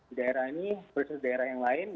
di daerah ini khusus daerah yang lain